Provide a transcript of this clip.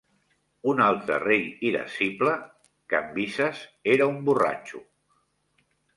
Un altre rei irascible, Cambises, era un borratxo.